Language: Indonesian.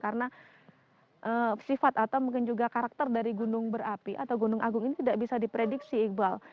karena sifat atau mungkin juga karakter dari gunung berapi atau gunung agung ini tidak bisa diprediksi iqbal